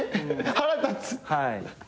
腹立つ。